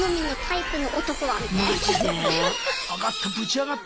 上がった。